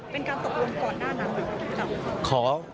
เป็นการตกลงก่อนหน้านั้นหรือจำ